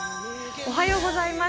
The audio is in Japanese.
おはようございます。